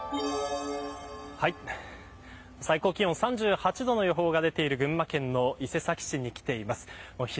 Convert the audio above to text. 最高気温３８度の予報が出ている群馬県の伊勢崎市に来ています。